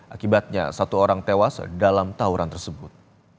akibatnya satu orang tewas dalam tawuran tersebut